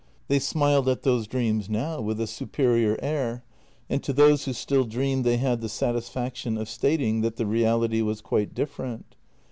They smiled at those dreams now with a superior air, and to those who still dreamed they had the satisfaction of stating that the reality was quite different.